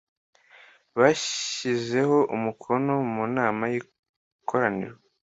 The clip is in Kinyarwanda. bazishyizeho umukono mu nama y ikoraniro